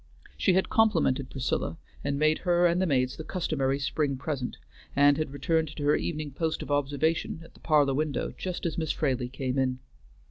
She had complimented Priscilla, and made her and the maids the customary spring present, and had returned to her evening post of observation at the parlor window just as Miss Fraley came in.